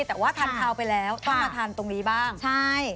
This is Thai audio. แต่ว่าทานคาวไปแล้วต้องมาทานตรงนี้บ้างใช่